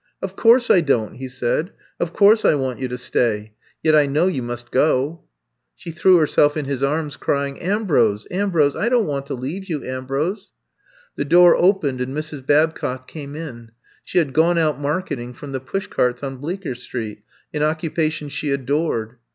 *'0f course I don't," he said. 0f course, I want you to stay. Yet I know you must go. '^ 178 I^VB COMB TO STAT She threw herself in his arms crying :Ambrose ! Ambrose I I don *t want to leave you, Ambrose!'* The door opened and Mrs. Babcock came in. She had gone out marketing from the pushcarts on Bleecker Street, an occupa tion she adored.